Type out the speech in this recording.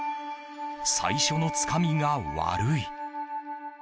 最初のつかみが悪い。